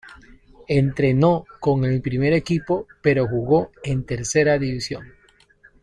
Entrenó con el primer equipo pero jugó en Tercera División.